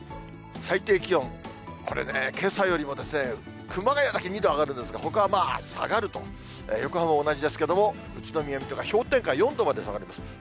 最低気温、これね、けさよりも熊谷だけ２度上がるんですが、ほかは下がると、横浜は同じですけれども、宇都宮、水戸が氷点下４度まで下がります。